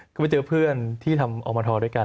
ก็ไปเจอเพื่อนที่ทำอมทด้วยกัน